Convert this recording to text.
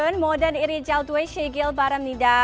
jangan lupa dan berikan duitnya kepada kita